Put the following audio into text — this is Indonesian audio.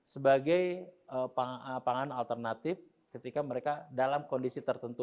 sebagai pangan alternatif ketika mereka dalam kondisi tertentu